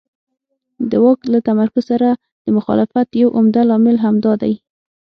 د واک له تمرکز سره د مخالفت یو عمده لامل همدا دی.